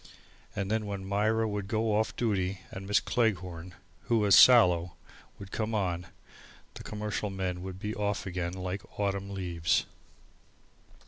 And then when Myra would go off duty and Miss Cleghorn, who was sallow, would come on, the commercial men would be off again like autumn leaves.